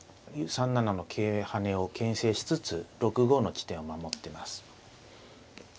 ３七の桂跳ねをけん制しつつ６五の地点を守ってます。